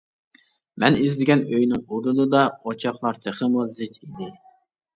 مەن ئىزدىگەن ئۆينىڭ ئۇدۇلىدا ئوچاقلار تېخىمۇ زىچ ئىدى.